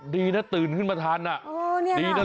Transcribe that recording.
ดีนะตื่นขึ้นมาทันนะโอ้เนี่ยนะ